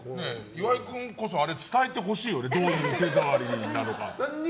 岩井君こそ伝えてほしいよねどういう手触りか。